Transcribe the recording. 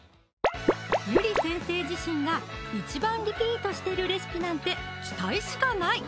ゆり先生自身が一番リピートしてるレシピなんて期待しかない！